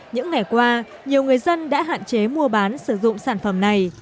những ngày qua nhiều người dân đã hạn chế mua bán sử dụng sản phẩm này